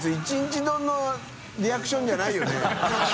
貽▶Гリアクションじゃないよね。